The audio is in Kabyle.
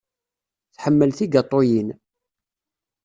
Tḥemmel tigaṭuyin.